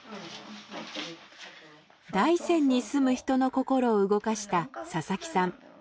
大山に住む人の心を動かした佐々木さん。